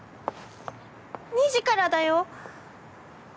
２時からだよ！